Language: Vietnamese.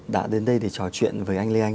đã đến đây để trò chuyện với anh lê anh